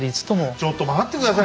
ちょっと待って下さい。